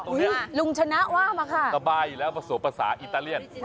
อ้าวหุ้ยลุงชนะว่ามาค่ะสบายอยู่แล้วมาส่วนภาษาอิตาเลียนค่ะ